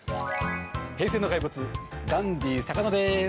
平成の怪物、ダンディ坂野です。